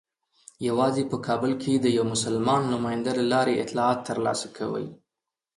یوازې په کابل کې د یوه مسلمان نماینده له لارې اطلاعات ترلاسه کوي.